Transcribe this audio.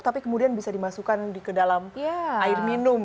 tapi kemudian bisa dimasukkan ke dalam air minum